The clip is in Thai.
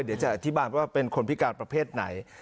เดี๋ยวจะอธิบายว่าเป็นคนพิการประเภทไหน